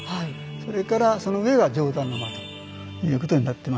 それからその上が「上段の間」ということになってまして。